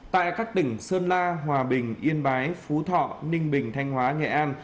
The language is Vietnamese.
tại các tỉnh sơn la hòa bình yên bái phú thọ ninh bình thanh hóa nghệ an